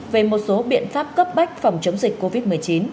về một số biện pháp cấp bách phòng chống dịch covid một mươi chín